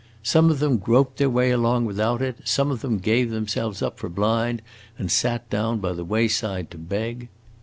Some of them groped their way along without it, some of them gave themselves up for blind and sat down by the wayside to beg.